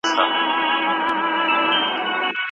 د عبادت پابندي يې د شخصي ژوند اصل و.